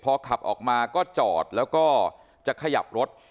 พอขับออกมาก็จอดแล้วก็จะขยับรถ